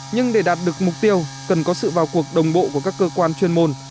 nhưng để đạt được mục tiêu cần có sự vào cuộc đồng bộ của các cơ quan chuyên môn